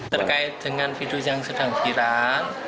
terkait dengan video yang sedang viral